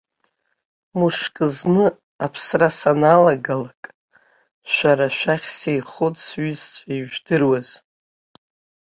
Мышкызны, аԥсра саналагалак, шәара шәахь сеихоит, сҩызцәа, ижәдыруаз.